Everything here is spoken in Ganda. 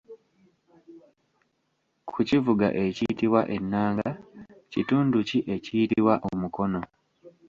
Ku kivuga ekiyitibwa ennanga, kitundu ki ekiyitibwa omukono?